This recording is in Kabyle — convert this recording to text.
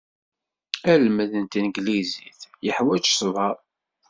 Almad n tanglizit yeḥwaj ṣṣber.